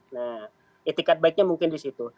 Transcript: nah itikad baiknya mungkin disitu